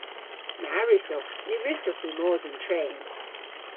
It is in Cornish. Na wrussowgh. Ny wrussowgh hwi mos yn tren.